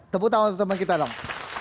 temu tangan untuk teman kita long